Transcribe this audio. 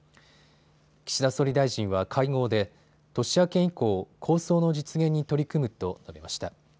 岸田総理大臣は会合で年明け以降、構想の実現に取り組むと述べました。